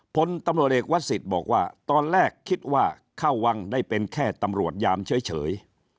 พลตำรวจเอกวัดสิทธิ์บอกว่าตอนแรกคิดว่าเข้าวังได้เป็นแค่ตำรวจยามเฉย